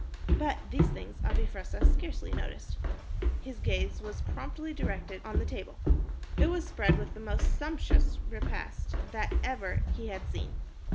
But these things Abi Fressah scarcely noted. His gaze was promptly directed on the table. It was spread with the most sumptuous repast that ever he had seen.